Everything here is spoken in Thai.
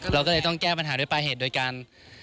เราก็เลยต้องแก้ปัญหาด้วยปลายเหตุโดยการ